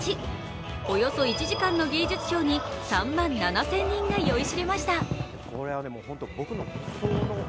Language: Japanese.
およそ１時間の芸術ショーに３万７０００人が酔いしれました。